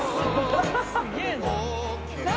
すげぇな。